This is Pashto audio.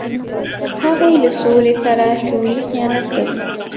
هغوی له سولې سره شعوري خیانت کوي.